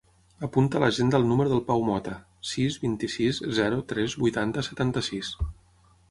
Apunta a l'agenda el número del Pau Mota: sis, vint-i-sis, zero, tres, vuitanta, setanta-sis.